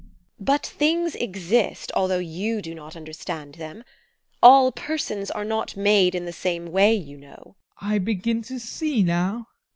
TEKLA. But things exist although you do not understand them. All persons are not made in the same way, you know. ADOLPH. I begin to see now!